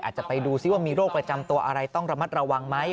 อาจจะไปดูซิว่ามีโรคประจำตัวอะไรต้องระมัดระวังไหม